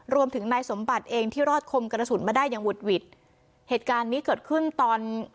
รวมถึงนายสมบัติเองที่รอดคมกระสุนมาได้อย่างหุดหวิดเหตุการณ์นี้เกิดขึ้นตอน